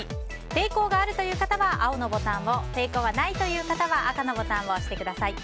抵抗があるという方は青のボタンを抵抗はないという方は赤のボタンを押してください。